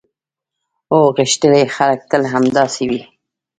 هو، غښتلي خلک تل همداسې وي.